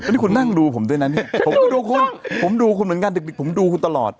นี่คุณนั่งดูผมด้วยนะนี่ผมดูคุณเหมือนกันดึกผมดูคุณตลอด